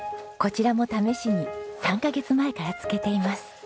こちらも試しに３カ月前から漬けています。